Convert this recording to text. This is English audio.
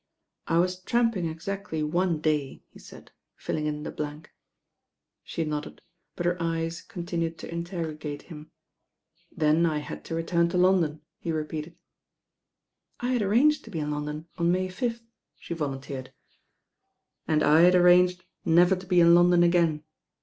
"I was tramping exactly one day," he said, filling in the blank. She nodded; but her eyes continued to interrogate him. "Then I had to return to London," he repeated. "I had arranged to be in London on May 5th," she volunteered. "And I had arranged never to be in London again."